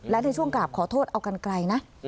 และในช่วงกราบขอโทษเอากันไกลนะ